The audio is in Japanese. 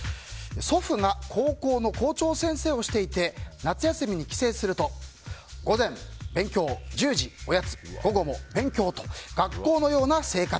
祖父が高校の校長先生をしていて夏休みに帰省すると午前、勉強１０時、おやつ、午後も勉強と学校のような生活。